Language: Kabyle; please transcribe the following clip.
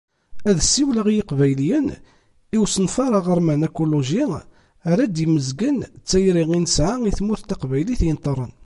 Ad ssiwleɣ i Yiqbayliyen i usenfar aɣerman akuluji ara d-yemmezgen d tayri i nesɛa i Tmurt Taqbaylit yenṭerren.